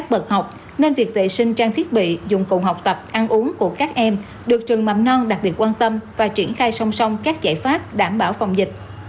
các bậc học nên việc vệ sinh trang thiết bị dụng cụ học tập ăn uống của các em được trường mầm non đặc biệt quan tâm và triển khai song song các giải pháp đảm bảo phòng dịch